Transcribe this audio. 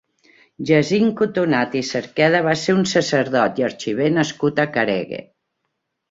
Jacint Cotonat i Cerqueda va ser un sacerdot i arxiver nascut a Caregue.